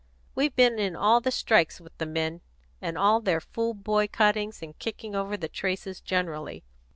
We've been in all the strikes with the men, and all their fool boycottings and kicking over the traces generally.